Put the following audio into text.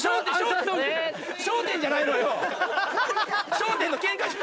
『笑点』のケンカ。